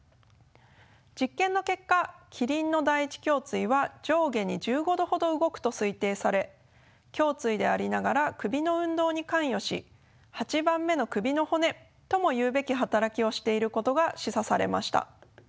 実験の結果キリンの第１胸椎は上下に１５度ほど動くと推定され胸椎でありながら首の運動に関与し８番目の首の骨ともいうべき働きをしていることが示唆されました。